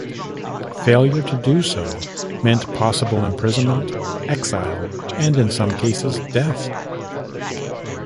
Failure to do so meant possible imprisonment, exile, and, in some cases, death.